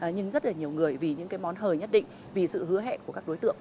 nhưng rất nhiều người vì những món hời nhất định vì sự hứa hẹn của các đối tượng